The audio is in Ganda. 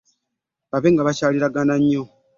Babe nga bakyaliragana nnyo.